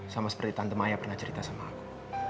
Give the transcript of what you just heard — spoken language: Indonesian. sama seperti tante maya pernah cerita sama aku